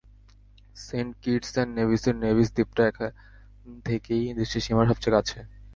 Saint Kitts and নেভিসের Nevis দ্বীপটা এখান থেকেই দৃষ্টিসীমার সবচেয়ে কাছে।